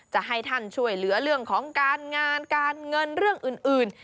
จะให้ท่านช่วยเหลือเรื่องของการงานการเงินเรื่องอื่น